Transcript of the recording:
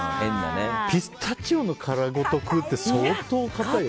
ピスタチオの殻ごと食うって相当硬いよ。